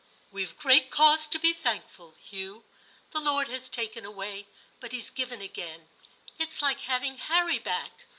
38 TIM CHAP. 'WeVe great cause to be thankful, Hugh! The Lord has taken away, but He's given again; it's like having Harry back.'